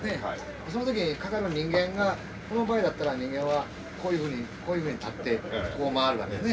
その時かかる人間がこの場合だったら人間はこういうふうに立ってこう回るわけね。